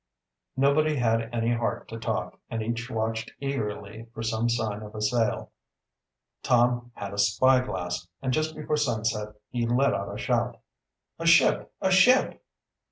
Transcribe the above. Nobody had any heart to talk, and each watched eagerly for some sign of a sail. Tom had a spyglass, and just before sunset he let out a shout: "A ship! A ship!"